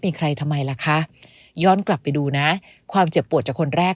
มีใครทำไมล่ะคะย้อนกลับไปดูนะความเจ็บปวดจากคนแรก